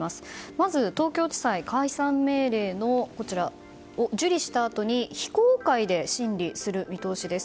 まず東京地裁解散命令を受理したあとに非公開で審理する見通しです。